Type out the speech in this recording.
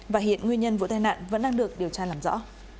và hiện nguyên nhân vụ tai nạn vẫn đang được điều tra làm rõ